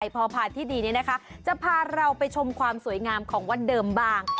พอผ่านที่ดีนี้นะคะจะพาเราไปชมความสวยงามของวันเดิมบาง